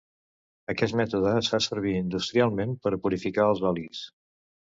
Aquest mètode es fa servir industrialment per purificar els olis.